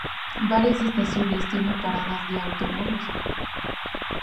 Varias estaciones tienen paradas de autobús regional.